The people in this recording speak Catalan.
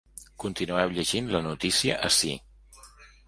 Continueu llegint la notícia ací.